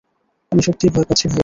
আমি সত্যিই ভয় পাচ্ছি ভাইয়া।